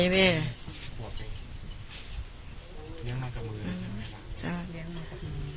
เลี้ยงมากกับมือ